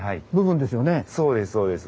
そうですそうです。